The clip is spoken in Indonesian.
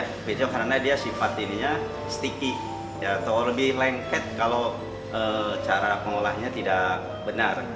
kue tiaw karena sifat ini sticky atau lebih lengket kalau cara pengolahnya tidak benar